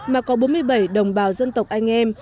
mà có bốn mươi bảy đồng bào dân tộc anh em